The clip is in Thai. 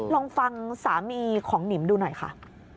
ลองฟังสามีของหนิมดูหน่อยค่ะ